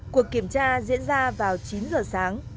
cuộc kiểm tra diễn ra vào chín giờ sáng